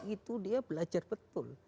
itu dia belajar betul